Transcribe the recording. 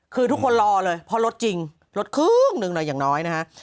คือทุกคนรอเลยเพราะลดจริงลดครึ่งหนึ่งหน่อยอย่างน้อยนะฮะ